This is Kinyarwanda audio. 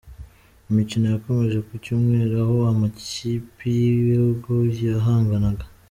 Imikino yakomeje ku cyumweru, aho amakipi y’ibihugu yahanganaga.